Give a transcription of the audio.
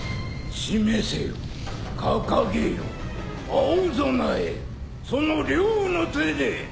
示せよ掲げよ青備えその両の手で。